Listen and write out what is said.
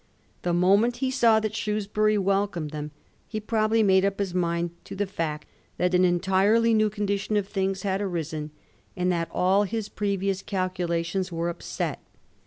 The moment he saw that Shrewsbury welcomed them, he probably made up his mind to the fact that an entirely new condition of things had arisen, and that all his previous calculations were upset.